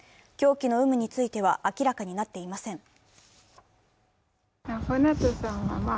凶器の有無については明らかになっていません。